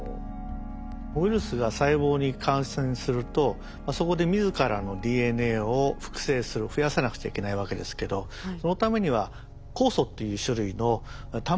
ウイルスが細胞に感染するとそこで自らのＤＮＡを複製する増やさなくちゃいけないわけですけどそのためには酵素っていう種類のタンパク質が必要なんですね。